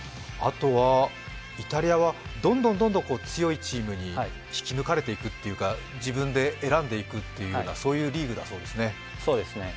イタリアはどんどん強いチームに引き抜かれていくというか自分で選んでいくというリーグだそうですね。